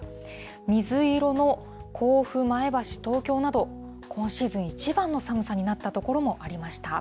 水色の甲府、前橋、東京など、今シーズン一番の寒さになった所もありました。